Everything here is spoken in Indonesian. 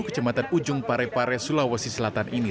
kecamatan ujung parepare sulawesi selatan ini